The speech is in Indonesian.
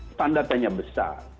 nah itu standartnya besar